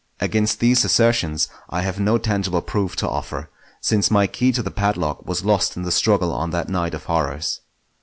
Against these assertions I have no tangible proof to offer, since my key to the padlock was lost in the struggle on that night of horrors.